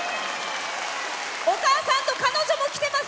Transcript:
お母さんと彼女も来てます。